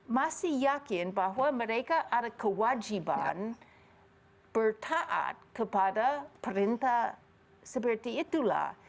masih yakin bahwa mereka ada kewajiban bertaat kepada perintah seperti itulah